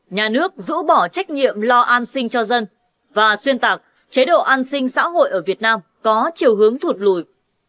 nhà nước rũ bỏ trách nhiệm lo an sinh cho dân và xuyên tạc chế độ an sinh xã hội ở việt nam có chiều hướng thụt lùi